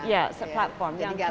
ya platform yang kriasi